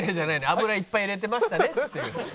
油いっぱい入れてましたねっつってるのよ。